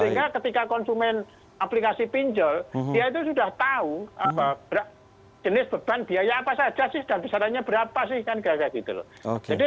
sehingga ketika konsumen aplikasi pinjol dia itu sudah tahu jenis beban biaya apa saja sih dan besarannya berapa sih kan kira kira gitu loh